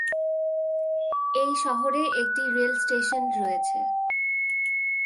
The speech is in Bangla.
এই শহরে একটি রেল স্টেশন রয়েছে।